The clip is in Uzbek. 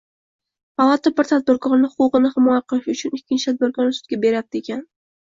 palata bir tadbirkorni huquqini himoya qilish uchun ikkinchi tadbirkorni sudga beryaptikan.